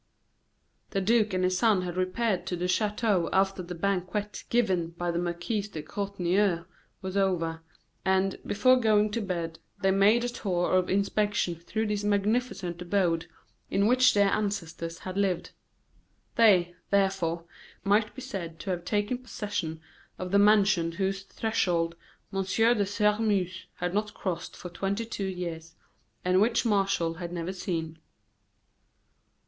The duke and his son had repaired to the chateau after the banquet given by the Marquis de Courtornieu was over; and, before going to bed, they made a tour of inspection through this magnificent abode in which their ancestors had lived. They, therefore, might be said to have taken possession of the mansion whose threshold M. de Sairmeuse had not crossed for twenty two years, and which Martial had never seen.